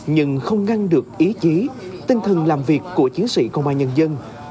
nhưng không ngăn được ý chí tinh thần làm việc của chiến sĩ công an nhân dân